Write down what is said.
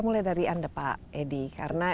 mulai dari anda pak edi karena